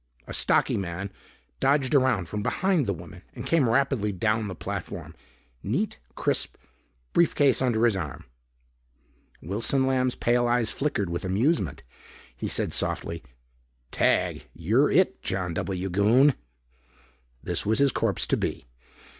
A stocky man dodged around from behind the woman and came rapidly down the platform, neat, crisp, briefcase under his arm. Wilson Lamb's pale eyes flickered with amusement. He said softly, "Tag, you're it, John W. Goon." This was his corpse to be. Mr.